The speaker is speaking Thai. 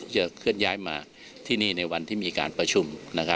เคลื่อนย้ายมาที่นี่ในวันที่มีการประชุม